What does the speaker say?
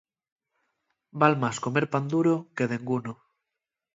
Val más comer pan duro que denguno.